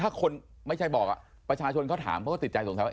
ถ้าคนไม่ใช่บอกประชาชนเขาถามเขาก็ติดใจสงสัยว่า